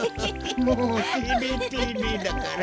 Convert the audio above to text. もうてれてれだから。